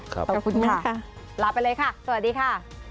ขอบคุณค่ะลาไปเลยค่ะสวัสดีค่ะ